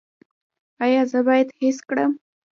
ایا زه باید حس کړم؟